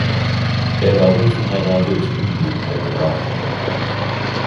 Er war unverheiratet und blieb ohne Nachkommen.